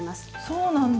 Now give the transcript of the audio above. そうなんだ！